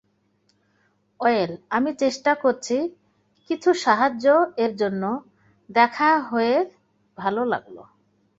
Well, আমি চেষ্টা করছি কিছু সাহায্য এর জন্য - দেখা হয়ে ভাল লাগল।